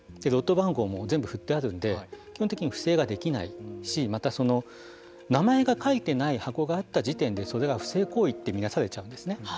ロット番号も全部振ってあるので基本的に不正ができないしまた名前が書いてない箱があった時点でそれが不正行為って見なされちゃうんですね。